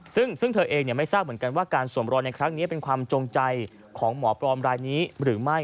ซึ่งเธอเองไม่ทราบเหมือนกันว่าการสวมรอยในครั้งนี้เป็นความจงใจของหมอปลอมรายนี้หรือไม่